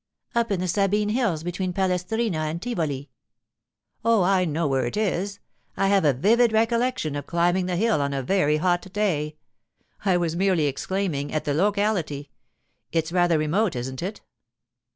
'Up in the Sabine hills between Palestrina and Tivoli.' 'Oh, I know where it is; I have a vivid recollection of climbing the hill on a very hot day. I was merely exclaiming at the locality; it's rather remote, isn't it?